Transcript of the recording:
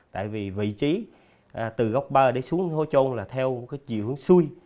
tại vì vị trí từ góc ba đến xuống hố trôn là theo cái dịu hướng xuôi